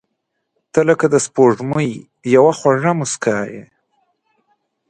• ته لکه د سپوږمۍ یوه خواږه موسکا یې.